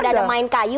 tidak ada main kayu